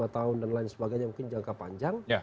lima tahun dan lain sebagainya mungkin jangka panjang